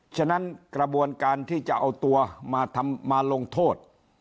ฉะนั้นกระบวนการที่จะเอาตัวมาลงโทษ